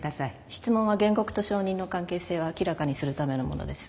質問は原告と証人の関係性を明らかにするためのものです。